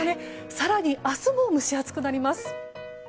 更に明日も蒸し暑くなります。